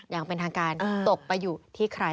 อย่างเป็นทางการตกไปอยู่ที่ใคร